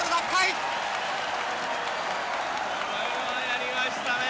やりましたね！